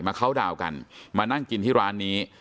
เข้าดาวน์กันมานั่งกินที่ร้านนี้